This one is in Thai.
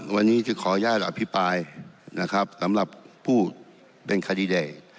วันนี้จะขออนุญาตอภิปรายสำหรับผู้เป็นคาริเดต